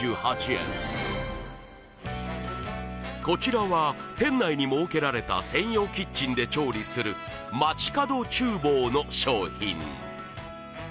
こちらは店内に設けられた専用キッチンで調理するの商品